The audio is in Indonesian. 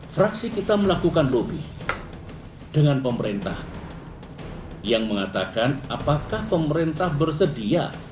fraksi kita melakukan lobby dengan pemerintah yang mengatakan apakah pemerintah bersedia